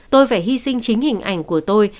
tôi phải hy sinh chính hình ảnh của tôi